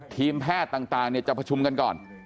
ทีมแพทย์ต่างจะประชุมกันก่อน